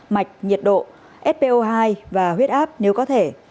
mạch nhiệt độ fpo hai và huyết áp nếu có thể